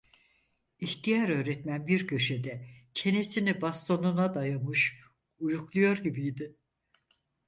İhtiyar öğretmen bir köşede, çenesini bastonuna dayamış, uyukluyor gibiydi.